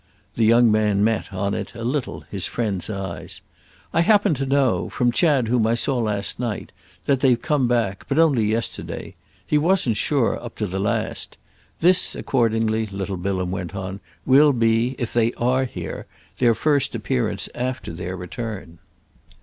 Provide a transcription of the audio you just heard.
The young man met, on it, a little, his friend's eyes. "I happen to know—from Chad, whom I saw last night—that they've come back; but only yesterday. He wasn't sure—up to the last. This, accordingly," little Bilham went on, "will be—if they are here—their first appearance after their return."